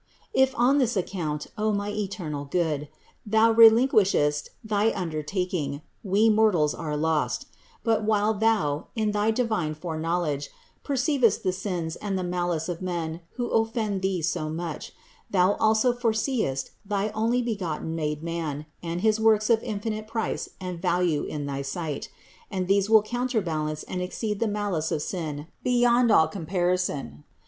If on this ac count, O my eternal Good, Thou relinquishest thy under taking, we mortals are lost; but while Thou, in thy divine fore knowledge, perceivest the sins and the malice of men who offend Thee so much, Thou also foreseest thy Onlybegotten made man and his works of infinite price THE INCARNATION 57 and value in thy sight ; and these will counterbalance and exceed the malice of sin beyond all comparison.